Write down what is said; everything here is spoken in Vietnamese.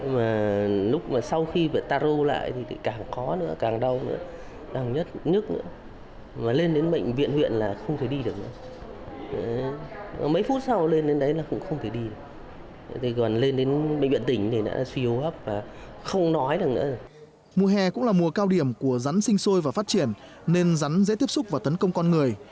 mùa hè cũng là mùa cao điểm của rắn sinh sôi và phát triển nên rắn dễ tiếp xúc và tấn công con người